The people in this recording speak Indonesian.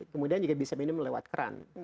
kemudian juga bisa minum lewat keran